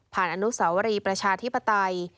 อนุสาวรีประชาธิปไตย